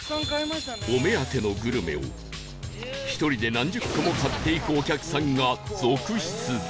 お目当てのグルメを１人で何十個も買っていくお客さんが続出！